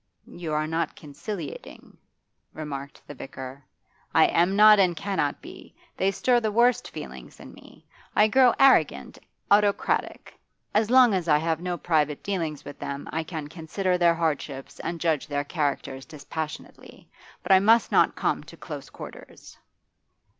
'You are not conciliating,' remarked the vicar. 'I am not, and cannot be. They stir the worst feelings in me; I grow arrogant, autocratic. As long as I have no private dealings with them I can consider their hardships and judge their characters dispassionately; but I must not come to close quarters.